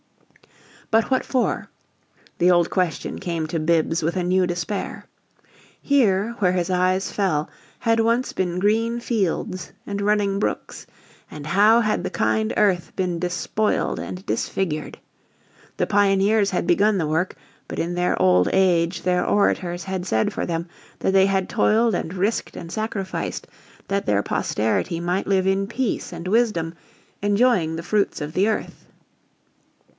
But what for? The old question came to Bibbs with a new despair. Here, where his eyes fell, had once been green fields and running brooks, and how had the kind earth been despoiled and disfigured! The pioneers had begun the work, but in their old age their orators had said for them that they had toiled and risked and sacrificed that their posterity might live in peace and wisdom, enjoying the fruits of the earth.